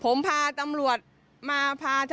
ผมพาตำรวจมาพาชะนะจิต